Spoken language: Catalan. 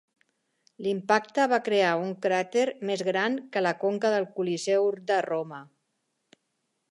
L'impacte va crear un cràter més gran que la conca del Coliseu de Roma.